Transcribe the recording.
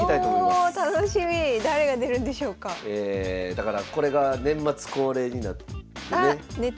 だからこれが年末恒例になってね。